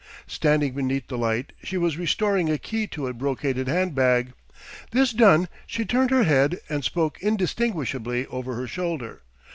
Standing beneath the light, she was restoring a key to a brocaded hand bag. This done, she turned her head and spoke indistinguishably over her shoulder.